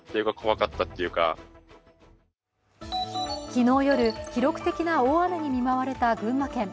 昨日夜、記録的な大雨に見舞われた群馬県。